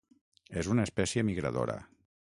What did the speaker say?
És una espècie migradora.